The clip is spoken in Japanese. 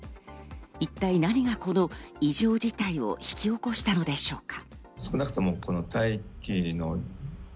一体、何がこの異常事態を引き起こしたのでしょうか？